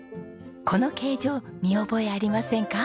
この形状見覚えありませんか？